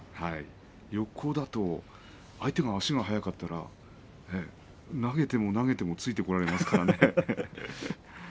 横だと相手が足が速かったら投げても投げてもついてこられますからね。